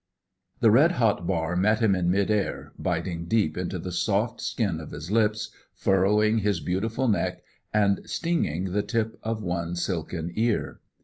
The red hot bar met him in mid air, biting deep into the soft skin of his lips, furrowing his beautiful neck, and stinging the tip of one silken ear.